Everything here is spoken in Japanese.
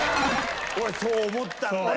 俺そう思ったんだよ。